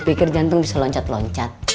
pikir jantung bisa loncat loncat